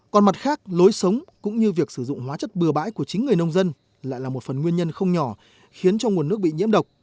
còn mặt khác lối sống cũng như việc sử dụng hóa chất bừa bãi của chính người nông dân lại là một phần nguyên nhân không nhỏ khiến cho nguồn nước bị nhiễm độc